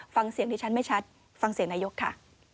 ฟังเสียงดิฉันไม่ชัดฟังเสียงนายกค่ะ